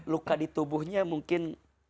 luka di tubuhnya mungkin